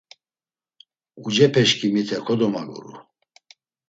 Ucepeşǩimite kodomaguru.